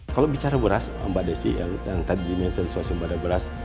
kalau bicara beras mbak desi yang tadi dimention swasembada beras